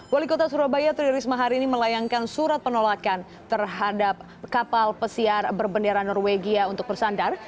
wali kota surabaya tri risma hari ini melayangkan surat penolakan terhadap kapal pesiar berbendera norwegia untuk bersandar